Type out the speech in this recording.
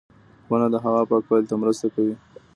• ونه د هوا پاکوالي ته مرسته کوي.